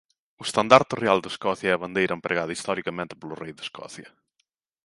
O Estandarte Real de Escocia é a bandeira empregada historicamente polo Rei de Escocia.